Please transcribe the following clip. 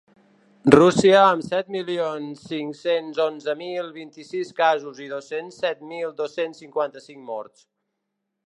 Rússia, amb set milions cinc-cents onze mil vint-i-sis casos i dos-cents set mil dos-cents cinquanta-cinc morts.